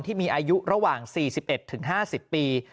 ที่มีอายุระหว่าง๔๑๕๐ปี